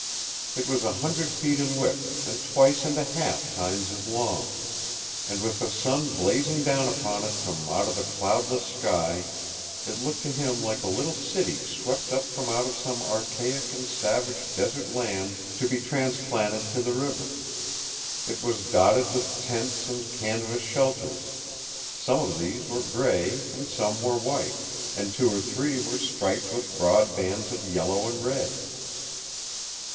It was a hundred feet in width and twice and a half times as long, and with the sun blazing down upon it from out of a cloudless sky it looked to him like a little city swept up from out of some archaic and savage desert land to be transplanted to the river. It was dotted with tents and canvas shelters. Some of these were gray, and some were white, and two or three were striped with broad bands of yellow and red.